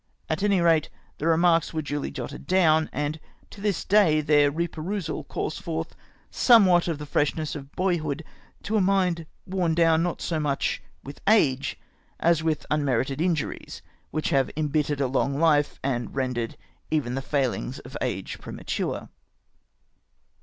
At any rate, the remarks were A MIDSHIPMAN'S GRIEVANGES. 57 duly jotted down, and to this day their reperusal calls forth somewhat of the freshness of boyhood to a mind worn down, not so much with age as with unmerited in jmdes, which have embittered a long hfe, and rendered even the failings of age premature.